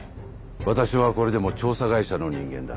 私はこれでも調査会社の人間だ。